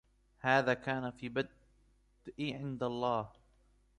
هذا كان في البدء عند الله.